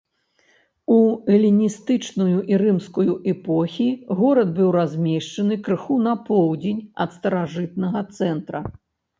У эліністычную і рымскую эпохі горад быў размешчаны крыху на поўдзень ад старажытнага цэнтра.